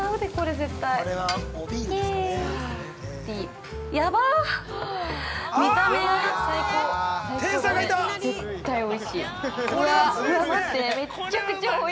絶対おいしい。